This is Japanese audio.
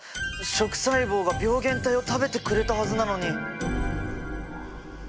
食細胞が病原体を食べてくれたはずなのに。